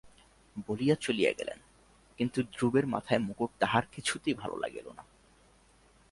বলিয়া চলিয়া গেলেন, কিন্তু ধ্রুবের মাথায় মুকুট তাঁহার কিছুতেই ভালো লাগিল না।